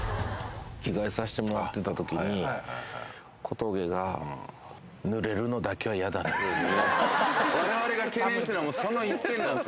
着替えさせてもらってたときに、小峠が、ぬれるのだけは嫌だって言って。